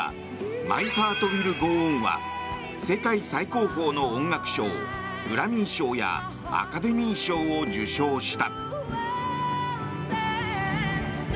「マイ・ハート・ウィル・ゴー・オン」は世界最高峰の音楽賞グラミー賞やアカデミー賞を受賞した。